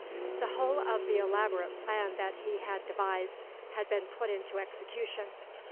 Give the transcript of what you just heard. The whole of the elaborate plan that he had devised had been put into execution.